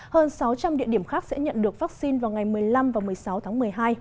hơn sáu trăm linh địa điểm khác sẽ nhận được vaccine vào ngày một mươi năm và một mươi sáu tháng một mươi hai